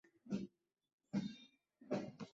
High five হয়ে যাক।